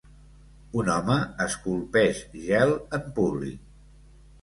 Un home esculpeix gel en públic.